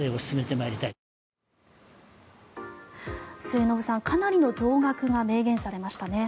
末延さん、かなりの増額が明言されましたね。